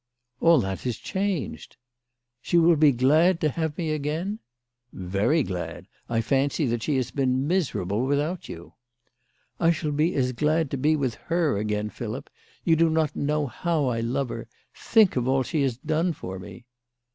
All that is changed." "She will be glad to have me again ?"" Very glad. I fancy that she has been miserable without you." " I shall be as glad to be with her again, Philip. You do not know how I love her. Think of all she has done for me